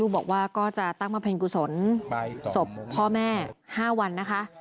ลูกบอกว่าก็จะตั้งมาเป็นกุศลสมพ่อแม่๕วันนะคะ